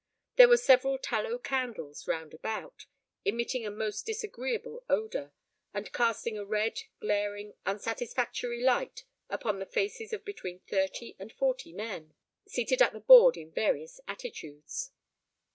There were several tallow candles round about, emitting a most disagreeable odour, and casting a red, glaring, unsatisfactory light upon the faces of between thirty and forty men, seated at the board in various attitudes.